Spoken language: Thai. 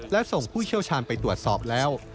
และส่งผู้เชี่ยวชาญไปตรวจสอบแล้ว